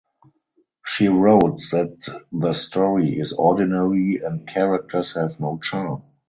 She wrote that the story is ordinary and characters have no charm.